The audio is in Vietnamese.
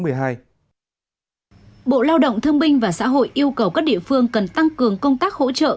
bộ lao động thương binh và xã hội yêu cầu các địa phương cần tăng cường công tác hỗ trợ